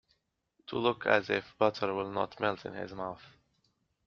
To look as if butter will not melt in his mouth.